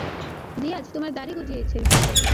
Diaz, তোমার দাড়ি গজিয়েছে!